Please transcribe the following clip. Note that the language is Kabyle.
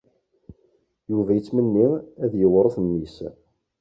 Yuba yettmenni ad t-yewṛet memmi-s.